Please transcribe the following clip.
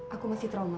aku masih trauma